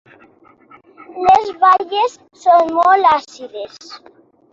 Les baies són molt àcides.